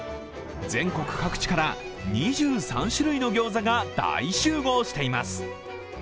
全国各地から２３種類の餃子が大集合しています。